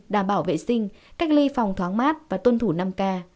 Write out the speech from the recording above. đảm bảo vệ sinh cách ly phòng thoáng mát và tuân thủ năm k